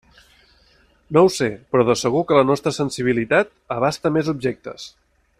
No ho sé; però de segur que la nostra sensibilitat abasta més objectes.